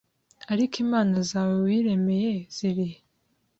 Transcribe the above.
Ariko imana zawe wiremeye ziri he